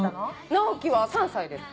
直樹は３歳です。